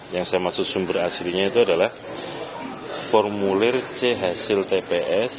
yang saya maksud sumber aslinya itu adalah formulir c hasil tps